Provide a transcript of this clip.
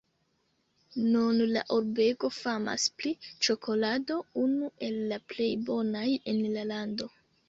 Nun la urbego famas pri ĉokolado, unu el la plej bonaj en la lando.